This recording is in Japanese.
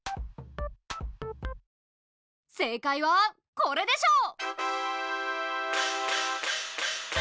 正解はこれでしょう。